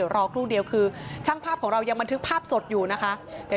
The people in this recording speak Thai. รอครู่เดียวคือช่างภาพของเรายังบันทึกภาพสดอยู่นะคะ